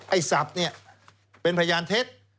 ไอ้สับเนี่ยเป็นพยานเทศ